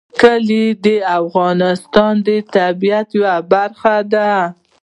کلي د افغانستان د طبیعت یوه برخه ده.